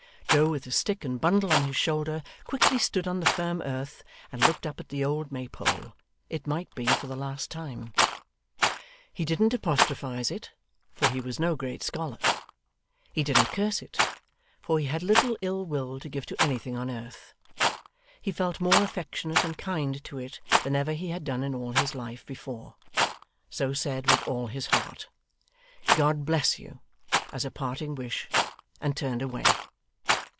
Joe, with his stick and bundle on his shoulder, quickly stood on the firm earth, and looked up at the old Maypole, it might be for the last time. He didn't apostrophise it, for he was no great scholar. He didn't curse it, for he had little ill will to give to anything on earth. He felt more affectionate and kind to it than ever he had done in all his life before, so said with all his heart, 'God bless you!' as a parting wish, and turned away.